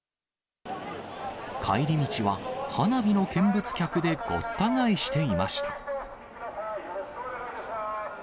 帰り道は花火の見物客でごった返していました。